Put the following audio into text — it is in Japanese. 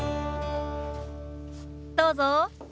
どうぞ。